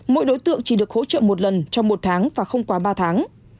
mỗi đối tượng chỉ được hỗ trợ một lần trong một tháng và không quá ba tháng